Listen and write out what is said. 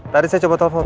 tadi saya coba telepon